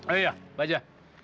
oh iya bajak